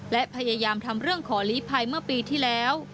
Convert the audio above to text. และพยายามทำเรื่องขอลีภัยเมื่อปีที่แล้ว